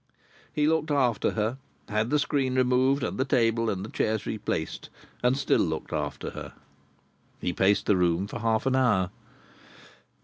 He looked after her, had the screen removed and the table and chairs replaced, and still looked after her. He paced the room for half an hour.